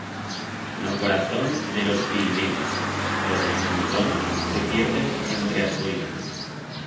En o corazón de ros Pirineus, do ros puntons se pierden entre as boiras.